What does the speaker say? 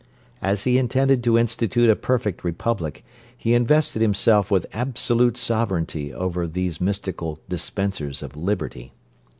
As he intended to institute a perfect republic, he invested himself with absolute sovereignty over these mystical dispensers of liberty.